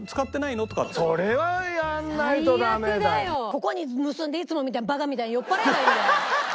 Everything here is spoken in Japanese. ここに結んでいつもみたいにバカみたいに酔っ払えばいいんだよ。